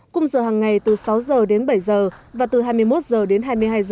cùng giờ hàng ngày từ sáu h đến bảy h và từ hai mươi một h đến hai mươi hai h